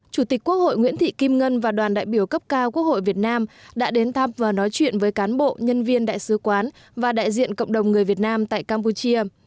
chủ tịch quốc hội nguyễn thị kim ngân và đoàn đại biểu cấp cao quốc hội việt nam đã đến thăm và nói chuyện với cán bộ nhân viên đại sứ quán và đại diện cộng đồng người việt nam tại campuchia